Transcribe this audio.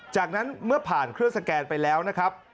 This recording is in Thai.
จากนั้นเมื่อผ่านเครื่องสแกนไปแล้วนะครับ